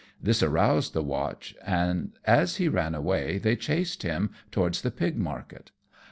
This roused the watch, and as he ran away, they chased him towards the pig market.